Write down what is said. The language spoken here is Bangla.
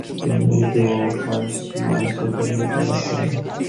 তিনি উর্দু ও ফারসি ভাষায় পাণ্ডিত্য লাভ করেন।